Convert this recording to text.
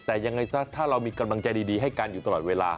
แต่ยังไงซะถ้าเรามีกำลังใจดีให้กันอยู่ตลอดเวลา